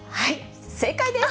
正解です。